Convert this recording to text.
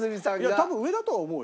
多分上だとは思うよ。